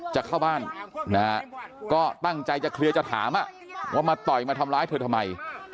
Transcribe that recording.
จะเข้าบ้านนะฮะก็ตั้งใจจะเคลียร์จะถามว่ามาต่อยมาทำร้ายเธอทำไม